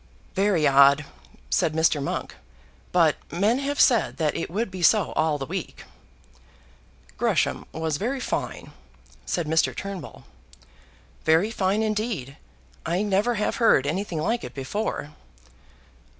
"Very odd," said Mr. Monk; "but men have said that it would be so all the week." "Gresham was very fine," said Mr. Turnbull. "Very fine, indeed. I never have heard anything like it before."